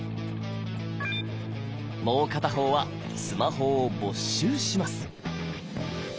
もう片方はスマホを没収します。